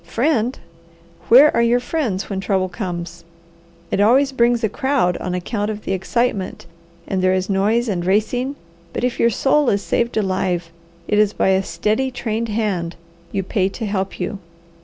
Friend? Where are your friends when trouble comes? It always brings a crowd on account of the excitement, and there is noise and racing; but if your soul is saved alive, it is by a steady, trained hand you pay to help you.